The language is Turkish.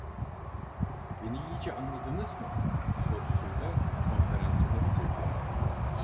Beni iyice anladınız mı? sorusuyla konferansını bitirdi.